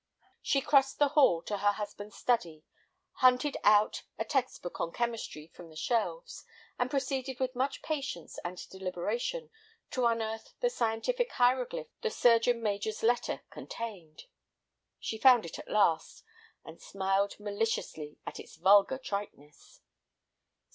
She crossed the hall to her husband's study, hunted out a text book on chemistry from the shelves, and proceeded with much patience and deliberation to unearth the scientific hieroglyph the surgeon major's letter contained. She found it at last, and smiled maliciously at its vulgar triteness.